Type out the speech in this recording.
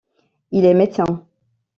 Il est médecin.